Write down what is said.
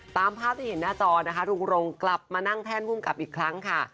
ตามภาพที่เห็นหน้าจอนะคะลุงรงกลับมานั่งแท่นภูมิกับอีกครั้งค่ะ